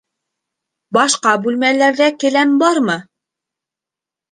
Башҡа бүлмәләрҙә келәм бармы?